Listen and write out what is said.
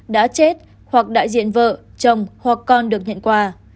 đã chết hoặc đại diện vợ chồng hoặc con được nhận quà